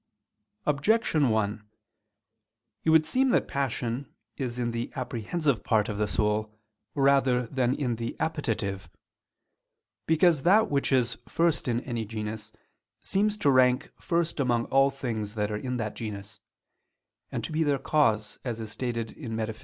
Objection 1: It would seem that passion is in the apprehensive part of the soul rather than in the appetitive. Because that which is first in any genus, seems to rank first among all things that are in that genus, and to be their cause, as is stated in _Metaph.